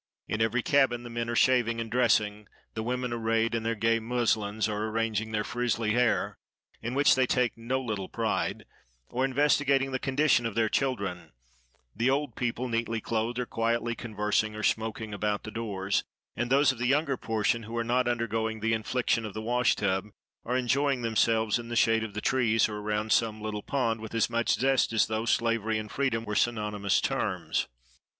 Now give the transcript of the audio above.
In every cabin the men are shaving and dressing; the women, arrayed in their gay muslins, are arranging their frizzly hair,—in which they take no little pride,—or investigating the condition of their children; the old people, neatly clothed, are quietly conversing or smoking about the doors; and those of the younger portion who are not undergoing the infliction of the wash tub are enjoying themselves in the shade of the trees, or around some little pond, with as much zest as though slavery and freedom were synonymous terms.